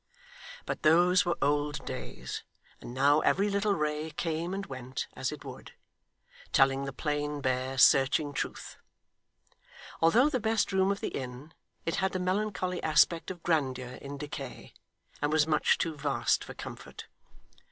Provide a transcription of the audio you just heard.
But those were old days, and now every little ray came and went as it would; telling the plain, bare, searching truth. Although the best room of the inn, it had the melancholy aspect of grandeur in decay, and was much too vast for comfort.